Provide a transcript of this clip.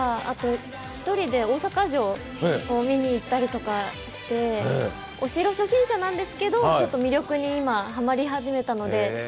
あと一人で大坂城を見に行ったりとかしてお城初心者なんですけどちょっと魅力に今はまり始めたので。